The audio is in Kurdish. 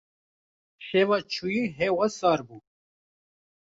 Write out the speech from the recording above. Şeva çûyî hewa sar bû.